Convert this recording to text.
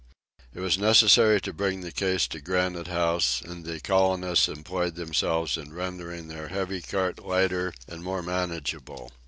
It was necessary to bring the case to Granite House, and the colonists employed themselves in rendering their heavy cart lighter and more manageable.